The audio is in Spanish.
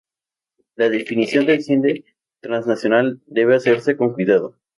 La definición del cine transnacional debe hacerse con cuidado.